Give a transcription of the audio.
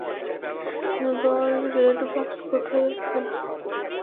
বল, red box কোথায় আছে?